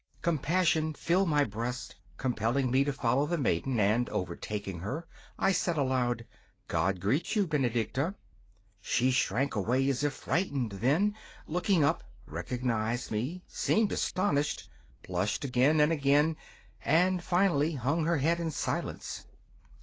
Compassion filled my breast, compelling me to follow the maiden, and, overtaking her, I said aloud: 'God greet you, Benedicta.' She shrank away as if frightened, then, looking up, recognised me, seemed astonished, blushed again and again and finally hung her head in silence.